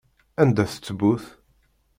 Anda-t ttbut?